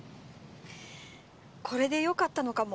これでよかったのかも。